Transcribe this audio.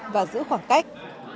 và giữ khoảng cách